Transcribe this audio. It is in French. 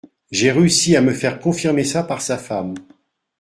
J’ai réussi à me faire confirmer ça par sa femme.